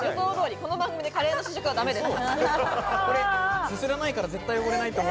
この番組でカレーの試食はだめです。